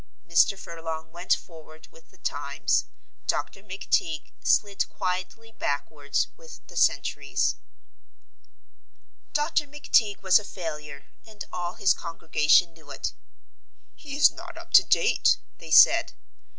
Mr. Furlong went forward with the times; Dr. McTeague slid quietly backwards with the centuries. Dr. McTeague was a failure, and all his congregation knew it. "He is not up to date," they said.